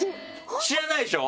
知らないでしょ？